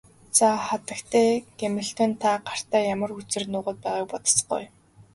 За хатагтай Гамильтон та гартаа ямар хөзөр нуугаад байгааг бодоцгооё.